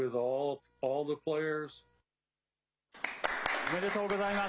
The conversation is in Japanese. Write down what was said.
おめでとうございます。